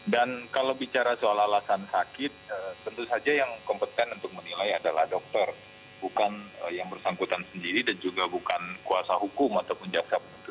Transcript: dan kalau bicara soal alasan sakit tentu saja yang kompeten untuk menilai adalah dokter bukan yang bersangkutan sendiri dan juga bukan kuasa hukum ataupun jawabannya